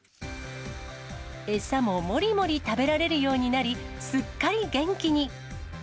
餌ももりもり食べられるようになり、すっかり元気に。